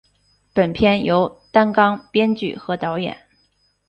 本片由担纲编剧和导演。